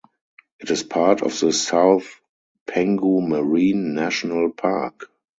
It is part of the South Penghu Marine National Park.